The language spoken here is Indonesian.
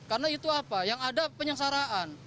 karena itu apa yang ada penyengsaraan